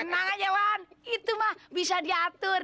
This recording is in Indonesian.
tenang aja wan itu mah bisa diatur